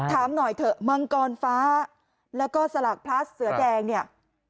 ถามหน่อยเถอะมังกรฟ้าแล้วก็สลากพลัสเสือแดงเนี่ย